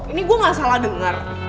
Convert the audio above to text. ini gue ga salah denger